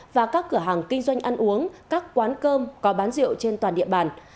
và các cửa hàng kinh doanh ăn uống các quán cơm có bán rượu trên toàn địa bàn